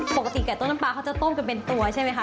ปกติไก่ต้มน้ำปลาเขาจะต้มกันเป็นตัวใช่ไหมคะ